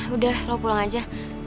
udah lo pulang aja